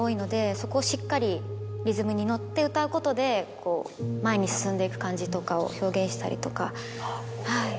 そこをしっかりリズムに乗って歌うことで前に進んでいく感じとかを表現したりとか。